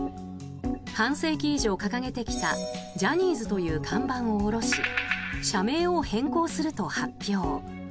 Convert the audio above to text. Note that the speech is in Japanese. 半世紀以上掲げてきたジャニーズという看板を下ろし社名を変更すると発表。